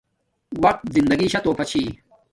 وقت زندگی شا تحفہ چھی